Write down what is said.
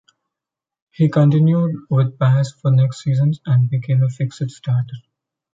He continued with Pas for the next seasons and became a fixed starter.